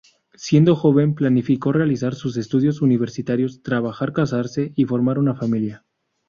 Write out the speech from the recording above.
Siendo joven planificó realizar sus estudios universitarios, trabajar, casarse y formar una familia.